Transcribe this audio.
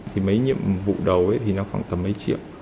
thì mấy nhiệm vụ đầu thì nó khoảng tầm mấy triệu